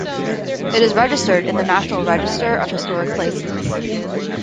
It is registered in the National Register of Historic Places.